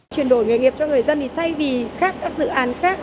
chuyển đổi nghề nghiệp cho người dân thì thay vì khác các dự án khác